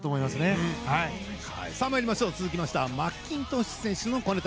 続いて参りましょうマッキントッシュ選手の小ネタ。